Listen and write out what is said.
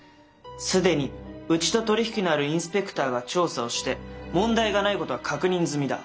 既にうちと取り引きのあるインスペクターが調査をして問題がないことは確認済みだ。